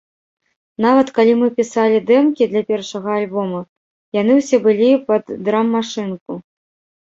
Нават, калі мы пісалі дэмкі для першага альбома, яны ўсе былі пад драм-машынку.